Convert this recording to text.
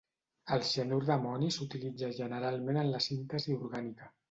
El cianur d'amoni s'utilitza generalment en la síntesi orgànica.